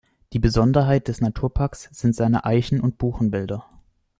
Die Besonderheit des Naturparks sind seine Eichen- und Buchenwälder.